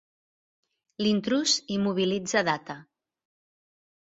L"intrús immobilitza Data.